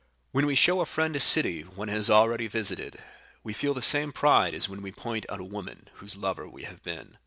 When we show a friend a city one has already visited, we feel the same pride as when we point out a woman whose lover we have been.